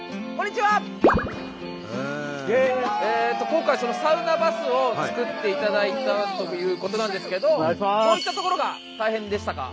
今回サウナバスを作っていただいたということなんですけどどういったところが大変でしたか？